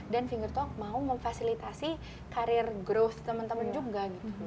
dan finger talk mau memfasilitasi karir growth teman teman juga